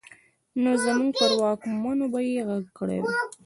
نو زموږ پر واکمنو به يې غږ کړی وای.